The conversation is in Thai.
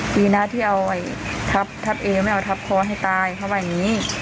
ดีนะที่เอาทับเอวไม่เอาทับคอให้ตายเขาว่าอย่างนี้